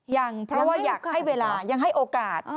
ยังเพราะว่าอยากให้เวลายังให้โอกาส